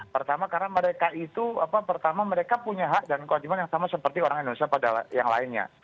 pertama karena mereka itu pertama mereka punya hak dan kewajiban yang sama seperti orang indonesia pada yang lainnya